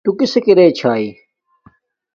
تو کِسݵک چھݳئی؟